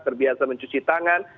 terbiasa mencuci tangan